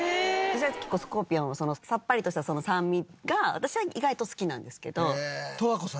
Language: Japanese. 私は結構スコーピオンのさっぱりとした酸味が私は意外と好きなんですけど。